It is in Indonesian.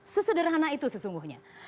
sesederhana itu sesungguhnya